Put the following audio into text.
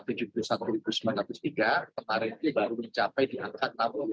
kemarin ini baru mencapai di angka enam puluh delapan